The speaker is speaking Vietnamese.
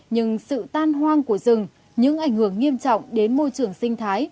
nhưng sự tan hoang của rừng những ảnh hưởng nghiêm trọng đến môi trường sinh thái